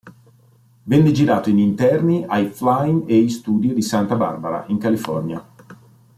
Venne girato in interni ai Flying A Studios di Santa Barbara, in California.